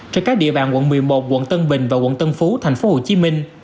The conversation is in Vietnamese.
trên các địa bàn quận một mươi một quận tân bình và quận tân phú tp hcm